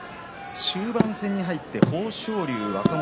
終盤戦に入って豊昇龍、若元